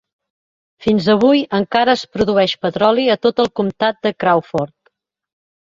Fins avui, encara es produeix petroli a tot el comtat de Crawford.